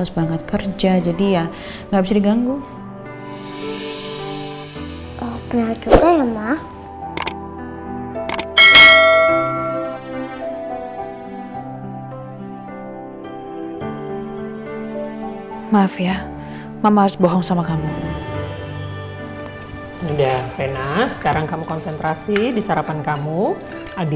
sudah aku mau mandi